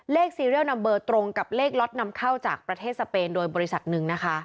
ซีเรียลนำเบอร์ตรงกับเลขล็อตนำเข้าจากประเทศสเปนโดยบริษัทหนึ่งนะคะ